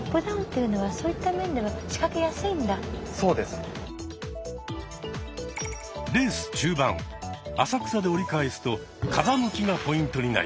レース中盤浅草で折り返すと風向きがポイントになります。